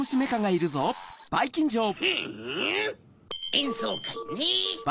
・えんそうかいね！